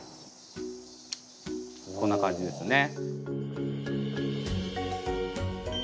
こんな感じですね。